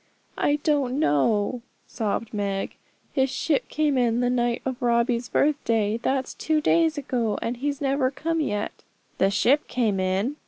'I don't know,' sobbed Meg. 'His ship came in the night of Robbie's birthday, that's two days ago; and he's never come yet.' 'The ship come in!'